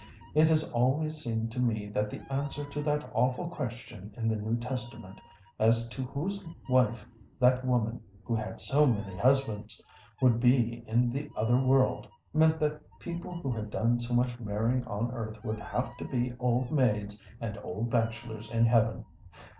It has always seemed to me that the answer to that awful question in the New Testament, as to whose wife that woman who had so many husbands would be in the other world, meant that people who had done so much marrying on earth would have to be old maids and old bachelors in heaven.